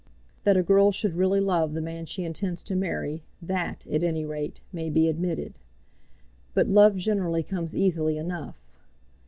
That a girl should really love the man she intends to marry, that, at any rate, may be admitted. But love generally comes easily enough.